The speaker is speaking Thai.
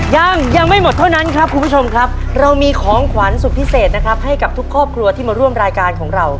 ยังยังไม่หมดเท่านั้นครับคุณผู้ชมครับเรามีของขวัญสุดพิเศษนะครับให้กับทุกครอบครัวที่มาร่วมรายการของเรา